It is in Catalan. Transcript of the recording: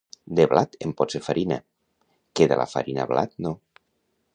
Del blat en pots fer farina; que de la farina blat, no.